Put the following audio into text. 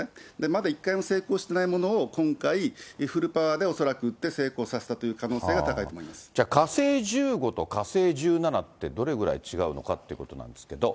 まだ１回も成功してないものを今回、フルパワーで恐らく撃って成功させたという可能性が高いと思じゃあ火星１５と火星１７ってどれぐらい違うのかということなんですけれども。